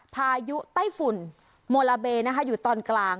พายุไต้ฝุ่นโมลาเบอยู่ตอนกลาง